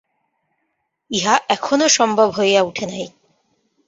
ইহা এখনও সম্ভব হইয়া উঠে নাই।